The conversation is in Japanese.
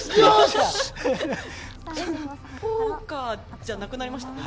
ポーカーじゃなくなりましたね。